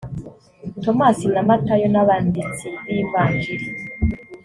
tomasi na matayo nabanditsi bivanjiri.